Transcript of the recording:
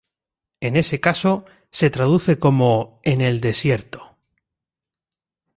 En ese caso, se traduce como "En el desierto".